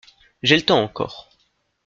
J’ai le temps encore.